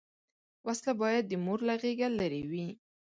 وسله باید د مور له غېږه لرې وي